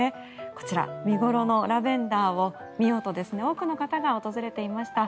こちら見頃のラベンダーを見ようと多くの方が訪れていました。